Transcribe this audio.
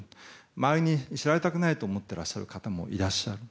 周りに知られたくないと思っている方もいらっしゃる。